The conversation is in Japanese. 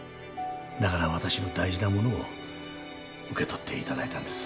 だから私の大事なものを受け取っていただいたんです。